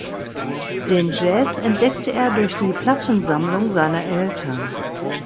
Den Jazz entdeckte er durch die Plattensammlung seiner Eltern.